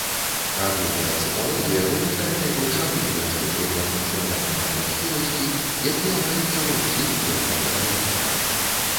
Агульная цыталогія вывучае найбольш агульныя структурна-функцыянальныя ўласцівасці, якія маюцца ва ўсіх клетках арганізма.